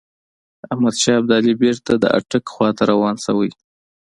احمدشاه ابدالي بیرته د اټک خواته روان شوی.